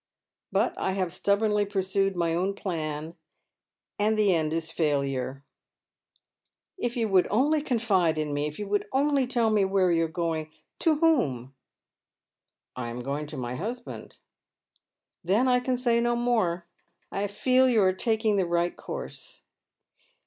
But I have stubbornly pursued my own plan, and the end is failure." " If you would only confide in me — if you would only tell me where you are going — to whom ?"" I am going to my husband." " Then I can say no more. I feel that you are taking the right course.